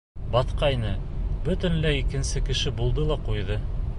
Баҫҡайны, бөтөнләй икенсе кеше булды ла ҡуйҙы.